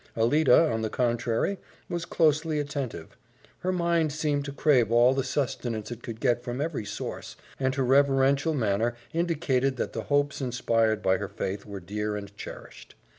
Alida, on the contrary, was closely attentive. Her mind seemed to crave all the sustenance it could get from every source, and her reverential manner indicated that the hopes inspired by her faith were dear and cherished.